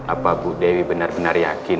apa bu dewi benar benar yakin